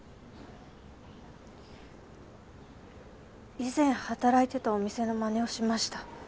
以前働いてたお店のまねをしました。